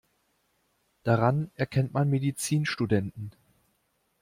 Daran erkennt man Medizinstudenten.